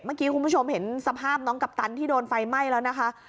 เมื่อกี้คุณผู้ชมเห็นสภาพน้องกัปตันที่โดนไฟไหม้แล้วนะคะ